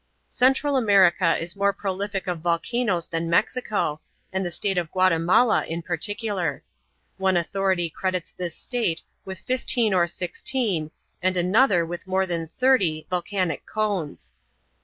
Central America is more prolific of volcanoes than Mexico, and the State of Guatemala in particular. One authority credits this State with fifteen or sixteen and another with more than thirty volcanic cones.